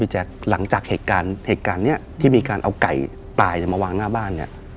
หลังจากเหตุการณ์ที่มีการเอาไก่ตายมาวางหน้าบ้าน